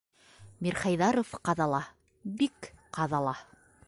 Мирхәйҙәров ҡаҙала, бик ҡаҙала.